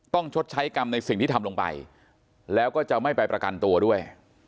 ชดใช้กรรมในสิ่งที่ทำลงไปแล้วก็จะไม่ไปประกันตัวด้วย